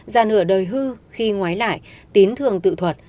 giàn hửa đời hư khi ngoái lại tín thường tự thuật